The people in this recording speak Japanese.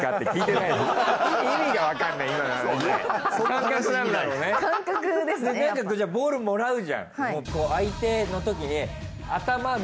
なんかそれじゃボールもらうじゃん。